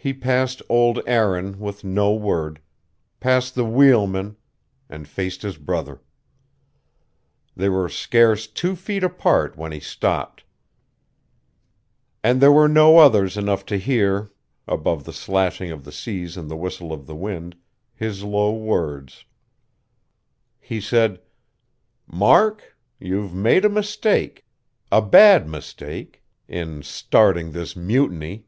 He passed old Aaron with no word, passed the wheelman, and faced his brother. They were scarce two feet apart when he stopped; and there were no others near enough to hear, above the slashing of the seas and the whistle of the wind, his low words. He said: "Mark, you've made a mistake. A bad mistake. In starting this mutiny."